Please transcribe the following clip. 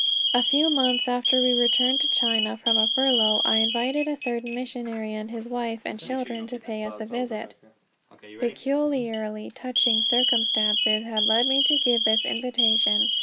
A few months after we returned to China from a furlough, I invited a certain missionary and his wife and children to pay us a visit. Peculiarly touching circumstances had led me to give this invitation.